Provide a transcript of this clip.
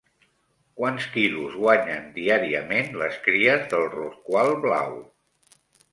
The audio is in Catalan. Quants quilos guanyen diàriament les cries del rorqual blau?